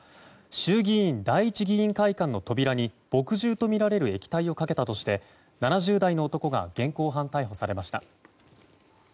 衆議院第一議員会館の扉に墨汁のような液体をかけたとして７０代の男が現行犯逮捕されました。